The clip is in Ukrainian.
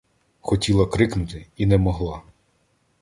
Хотіла крикнути і не могла.